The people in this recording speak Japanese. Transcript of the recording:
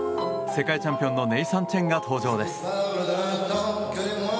世界チャンピオンのネイサン・チェンが登場です。